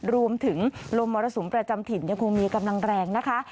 รวมถึงลมมรสุมประจำถิ่นยังคงมีกำลังแรงนะคะ